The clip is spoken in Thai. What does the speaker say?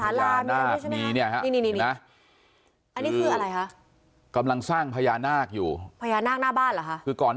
ตอนนี้กำลังสร้างพญานาคด้วย